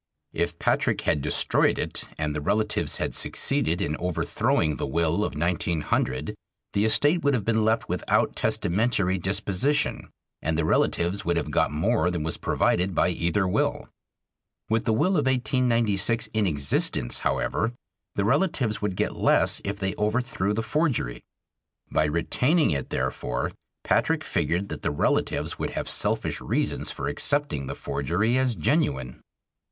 If Patrick had destroyed it and the relatives had succeeded in overthrowing the will of 1900, the estate would have been left without testamentary disposition and the relatives would have got more than was provided by either will. With the will of 1896 in existence, however, the relatives would get less if they overthrew the forgery. By retaining it, therefore, Patrick figured that the relatives would have selfish reasons for accepting the forgery as genuine.